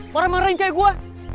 marah marahin kayak gue